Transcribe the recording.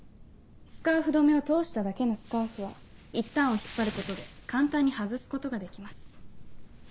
スカーフ留めを通しただけのスカーフは一端を引っ張ることで簡単に外すことができます。